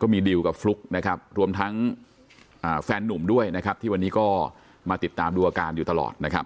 ก็มีดิวกับฟลุ๊กนะครับรวมทั้งแฟนหนุ่มด้วยนะครับที่วันนี้ก็มาติดตามดูอาการอยู่ตลอดนะครับ